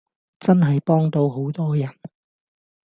真係幫到好多人